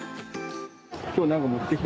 今日何か。